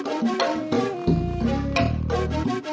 kayaknya itu dia bangga paham